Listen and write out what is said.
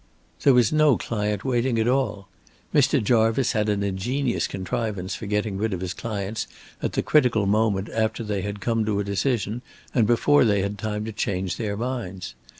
There was no client waiting at all. Mr. Jarvice had an ingenious contrivance for getting rid of his clients at the critical moment after they had come to a decision and before they had time to change their minds.